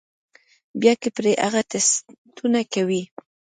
بيا کۀ پرې هغه ټسټونه کوي